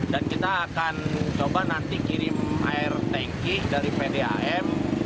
dan kita akan coba nanti kirim air tanki dari pdam